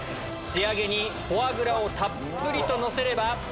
仕上げにフォアグラをたっぷりとのせれば。